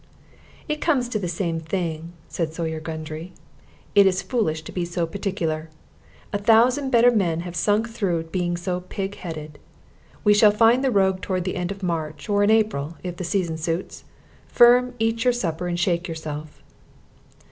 "It comes to the same thing," said Sawyer Gundry; "it is foolish to be so particular. A thousand better men have sunk through being so pig headed. We shall find the rogue toward the end of March, or in April, if the season suits. Firm, eat your supper and shake yourself."